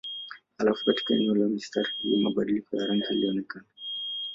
Halafu katika eneo la mistari hii mabadiliko ya rangi ilionekana.